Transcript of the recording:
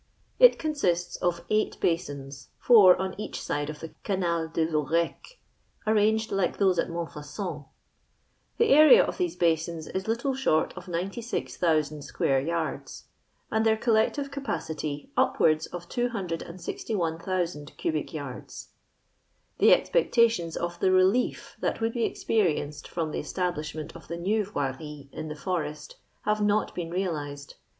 It con sists of eight basins, four on each side* of the Canal de I'Ourcq, arranged like those at Mont faucon. The area of these basins is little short of 06,000 square yards, and their col lective capacity upwards of 261,000 cubic yards. The expectations of the relief that w> uld be experienced from the estabUshment of the new Yoirie in the forest have not been realized.